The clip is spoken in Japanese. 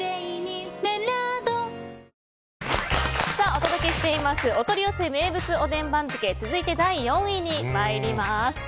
お届けしていますお取り寄せ名物おでん番付続いて第４位に参ります。